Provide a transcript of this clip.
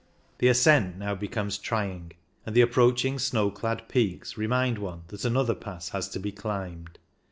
The ascent now becomes trying, and the approaching snow clad peaks remind one that another pass has to be climbed.